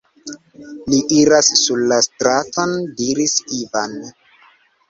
Li iras sur la straton, diris Ivan.